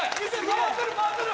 回ってる回ってる！